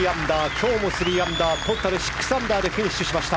今日も３アンダートータル６アンダーでフィニッシュしました。